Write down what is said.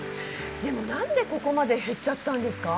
でも何でここまで減っちゃったんですか？